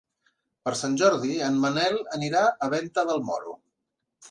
Per Sant Jordi en Manel anirà a Venta del Moro.